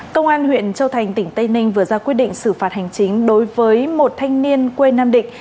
công an huyện châu thành tỉnh tây ninh vừa ra quyết định xử phạt hành chính đối với một thanh niên quê nam định